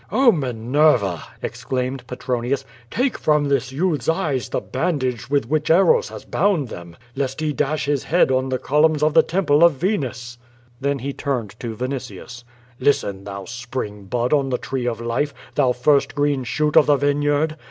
*'0, Minerva!" exclaimed Petronius, *'take from this youth's eyes the bandage with which Eros has bound them — lest he djBoh his head on the columns of the temple of jg QUO VADtS. Then he turned to Vinitius: "Listen, thou spring bud on the tree of life, thou first green shoot of the vineyard.